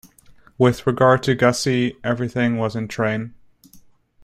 With regard to Gussie, everything was in train.